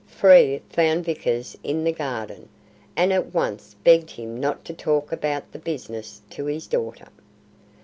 Frere found Vickers in the garden, and at once begged him not to talk about the "business" to his daughter.